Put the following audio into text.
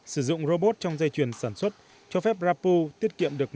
sử dụng robot trong dây chuyền sản xuất cho phép rappu tiết kiệm được một sáu